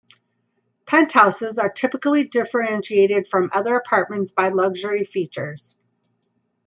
Penthouses are typically differentiated from other apartments by luxury features.